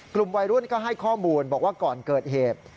กลุ่มวัยรุ่นก็ให้ข้อมูลบอกว่าก่อนเกิดเหตุ